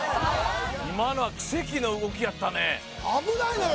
今のは奇跡の動きやったね危ないのよ